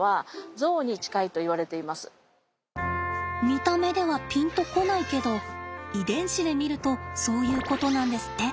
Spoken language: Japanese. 見た目ではピンと来ないけど遺伝子で見るとそういうことなんですって。